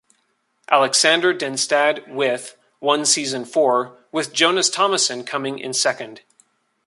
Aleksander Denstad With won season four, with Jonas Thomassen coming in second.